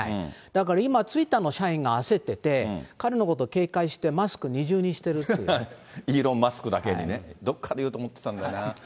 だから今、ツイッターの社員が焦ってて、彼のこと警戒して、イーロン・マスクだけにね。どっかで言うと思ってたんだよな。